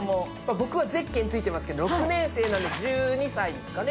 僕はゼッケンついていますけれども６年生ですから１２歳ですかね。